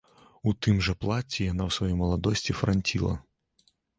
У тым жа плацці яна ў сваёй маладосці франціла.